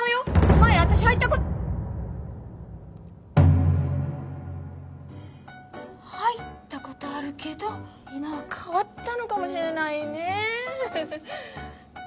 前私入ったこ入ったことあるけど今は変わったのかもしれないねえ